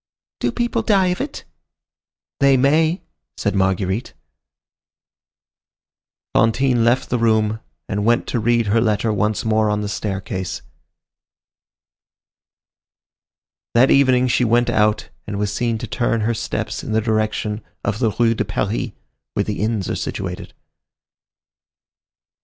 "Do people die of it?" "They may," said Marguerite. Fantine left the room and went to read her letter once more on the staircase. That evening she went out, and was seen to turn her steps in the direction of the Rue de Paris, where the inns are situated.